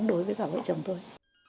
đối với cả vợ chồng tôi